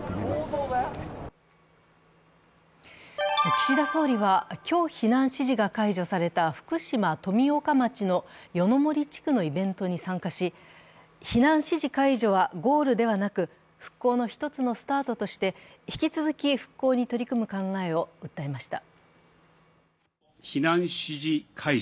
岸田総理は今日避難指示が解除された福島・富岡町の夜の森地区のイベントに参加し、避難指示解除はゴールではなく復興の一つのスタートとして引き続き復興に取り組む考えを訴えました。